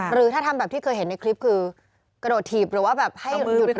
หรือถ้าทำแบบที่เคยเห็นในคลิปคือกระโดดถีบหรือว่าแบบให้หยุด